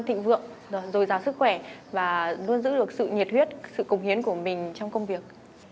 thịnh vượng rồi giàu sức khỏe và luôn giữ được sự nhiệt huyết sự cống hiến của mình trong công việc